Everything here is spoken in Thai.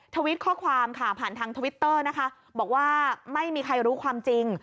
ทวิตข้อความค่ะผ่านทางทวิตเตอร์นะคะบอกว่าไม่มีใครรู้ความจริง